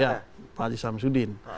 ya pak haji samsudin